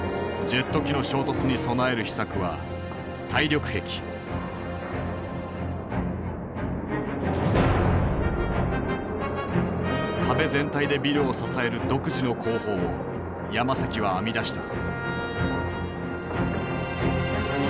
ジェット機の衝突に備える秘策は壁全体でビルを支える独自の工法をヤマサキは編み出した。